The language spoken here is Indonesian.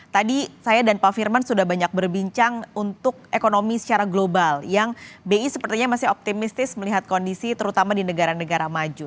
tadi saya dan pak firman sudah banyak berbincang untuk ekonomi secara global yang bi sepertinya masih optimistis melihat kondisi terutama di negara negara maju